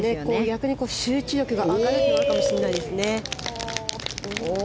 逆に集中力が上がるってなるかもしれないですね。